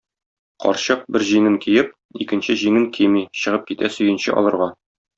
Карчык, бер җиңен киеп, икенче җиңен кими, чыгып китә сөенче алырга.